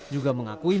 juga mengakui menurutnya